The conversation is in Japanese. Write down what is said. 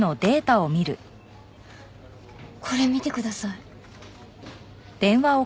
これ見てください。